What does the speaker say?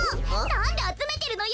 なんであつめてるのよ！